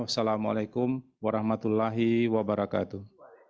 wassalamu'alaikum warahmatullahi wabarakatuh